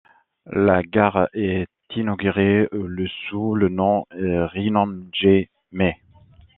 La gare est inaugurée le sous le nom Rinnanji-mae.